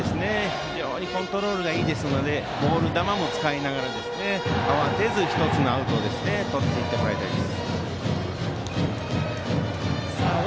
非常にコントロールがいいですのでボール球も使いながら慌てず、１つのアウトをとっていってもらいたいです。